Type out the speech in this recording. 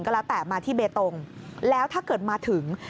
ก็แล้วแต่มาที่เบตงแล้วถ้าเกิดมาถึง